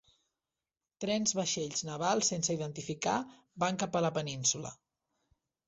Trens vaixells navals sense identificar van cap a la península.